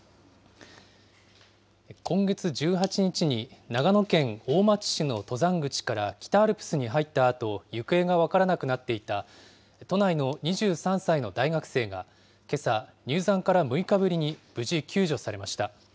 今月１８日に長野県大町市の登山口から北アルプスに入ったあと、行方が分からなくなっていた都内の２３歳の大学生が、けさ、入山から６日ぶりに無事救助されました。